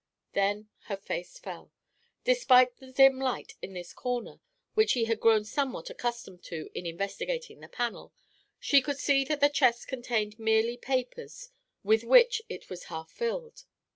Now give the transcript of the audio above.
Then her face fell. Despite the dim light in this corner, which she had grown somewhat accustomed to in investigating the panel, she could see that the chest contained merely papers, with which it was half filled.